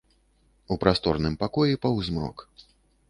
У прасторным пакоі паўзмрок.